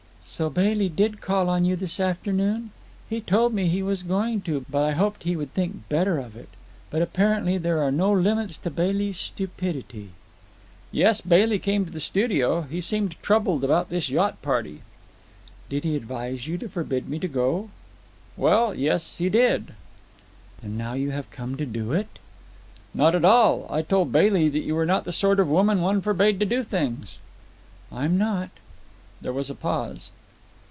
"So Bailey did call on you this afternoon? He told me he was going to, but I hoped he would think better of it. But apparently there are no limits to Bailey's stupidity." "Yes, Bailey came to the studio. He seemed troubled about this yacht party." "Did he advise you to forbid me to go?" "Well, yes; he did." "And now you have come to do it?" "Not at all. I told Bailey that you were not the sort of woman one forbade to do things." "I'm not." There was a pause.